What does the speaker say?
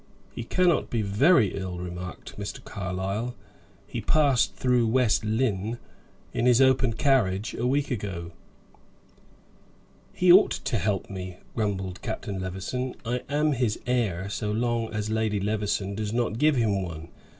"He cannot be very ill," remarked Mr. Carlyle; "he passed through West Lynne, in his open carriage, a week ago." "He ought to help me," grumbled Captain Levison. "I am his heir, so long as Lady Levison does not give him one.